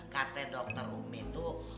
katanya dokter umi tuh